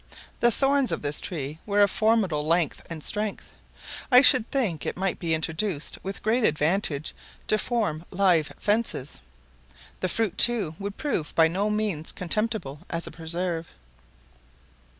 The thorns of this tree were of formidable length and strength. I should think it might be introduced with great advantage to form live fences; the fruit, too, would prove by no means contemptible as a preserve.